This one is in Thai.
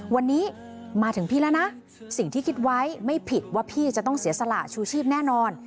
วันนี้มาถึงพี่แล้วนะสิ่งที่คิดไว้ไม่ผิดว่าพี่จะต้องเสียสละชูชีพแน่นอน